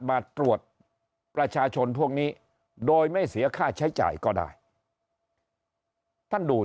มาตรวจประชาชนพวกนี้โดยไม่เสียค่าใช้จ่ายก็ได้ท่านดู